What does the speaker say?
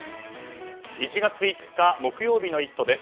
１月５日木曜日の「イット！」です。